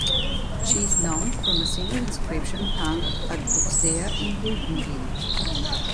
She is known from a single inscription, found at Auxerre in Burgundy.